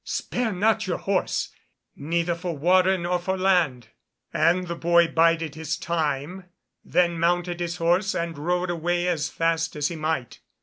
Spare not your horse, neither for water nor for land." And the boy bided his time, then mounted his horse, and rode away as fast as he might.